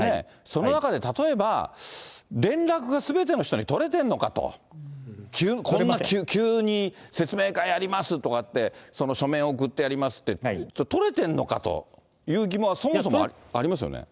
その中で例えば、連絡がすべての人に取れてんのかと、こんな急に説明会やりますとかって、書面送ってやりますって、取れてんのかという疑問はそもそも、ありますよね。